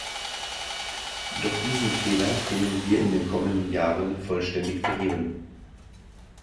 Doch diesen Fehler können wir in den kommenden Jahren vollständig beheben.